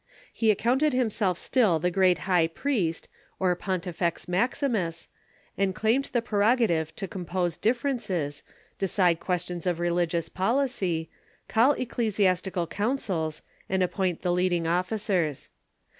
He accounted himself still the great high priest, or Pontifex Maximus, and claimed the prerogative to compose differences, decide ques tions of religious policy, call ecclesiastical councils, and ap 40 THE EAllLY CHURCH point the leading officers.